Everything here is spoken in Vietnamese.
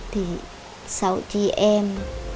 thì sáu chị em